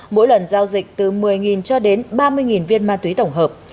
mỗi lần giao dịch từ một mươi cho đến ba mươi viên ma túy tổng hợp